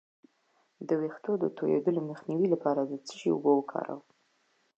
د ویښتو د تویدو مخنیوي لپاره د څه شي اوبه وکاروم؟